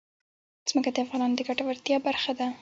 ځمکه د افغانانو د ګټورتیا برخه ده.